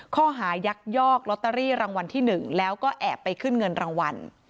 ข้อหายักยอกลอตเตอรี่รางวัลที่๑แล้วก็แอบไปขึ้นเงินรางวัล